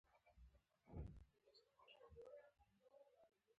د پښتنو په کلتور کې د مستو او شیدو کارول ډیر دي.